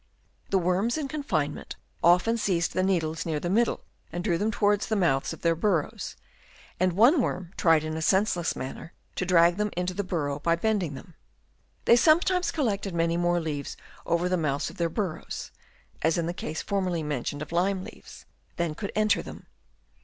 The worms in confinement often seized the needles near the middle and drew them to wards the mouths of their burrows ; and one worm tried in a senseless manner to drag them into the burrow by bending them. They sometimes collected many more leaves over the mouths of their burrows (as in the case formerly mentioned of lime leaves) than could enter them.